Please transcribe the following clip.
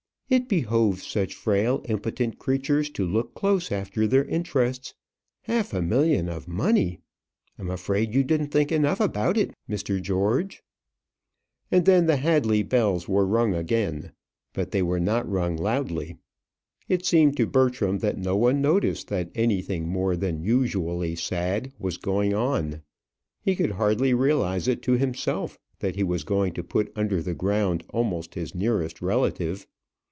It behoves such frail, impotent creatures to look close after their interests half a million of money! I'm afraid you didn't think enough about it, Mr. George." And then the Hadley bells were rung again; but they were not rung loudly. It seemed to Bertram that no one noticed that anything more than usually sad was going on. He could hardly realise it to himself that he was going to put under the ground almost his nearest relative.